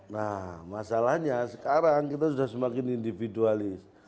nah masalahnya sekarang kita sudah semakin individualis